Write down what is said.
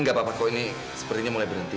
nggak apa apa kok ini sepertinya mulai berhenti